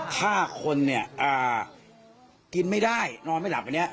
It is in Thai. ฆ่าคนเนี่ยกินไม่ได้นอนไม่หลับอันนี้